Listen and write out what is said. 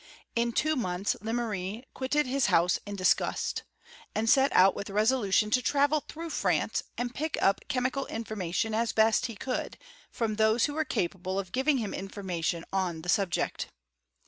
In two months Lemery quitted his house in disgust, and set out with a resolution to travel through France, and pick up che mical information as he best could, from those who were capable of giving him information on the subject.